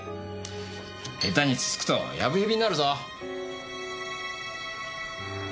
ヘタにつつくとやぶへびになるぞ。